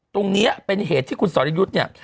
ตรงนี้เป็นเหตุที่คุณสอรยุทธ์เนี่ย